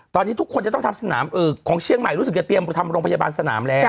ตอนนี้ทุกคนจะต้องทำสนามของเชียงใหม่รู้สึกจะเตรียมทำโรงพยาบาลสนามแล้ว